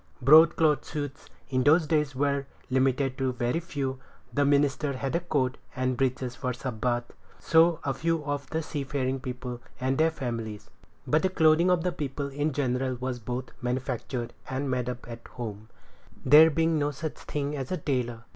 Broadcloth suits in those days were limited to a very few. The minister had a coat and breeches for Sabbath; so of a few of the seafaring people and their families; but the clothing of the people in general was both manufactured and made up at home, there being no such thing as a tailor.